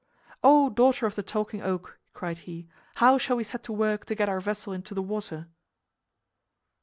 "Oh, daughter of the Talking Oak," cried he, "how shall we set to work to get our vessel into the water?"